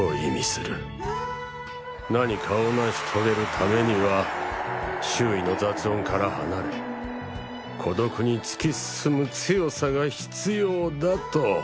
何かを成し遂げるためには周囲の雑音から離れ孤独に突き進む強さが必要だとお釈様はおっしゃった